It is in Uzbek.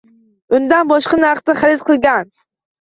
Undan boshqa narxda xarid qilgan